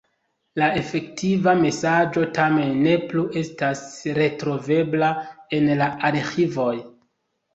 La efektiva mesaĝo tamen ne plu estas retrovebla en la arĥivoj.